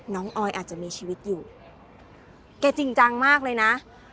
ออยอาจจะมีชีวิตอยู่แกจริงจังมากเลยนะ